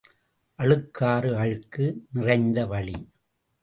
அழுக்காறு அழுக்கு நிறைந்த வழி.